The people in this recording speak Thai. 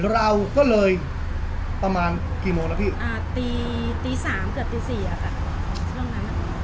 เราก็เลยประมาณกี่โมงนะพี่อ่าตีตีสามเกือบตีสี่อะค่ะช่วงนั้น